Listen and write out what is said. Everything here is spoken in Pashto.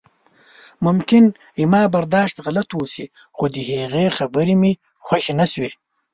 ممکن زما برداشت غلط اوسي خو د هغې خبرې مې خوښې نشوې.